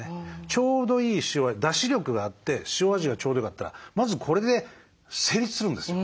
出汁力があって塩味がちょうどよかったらまずこれで成立するんですよ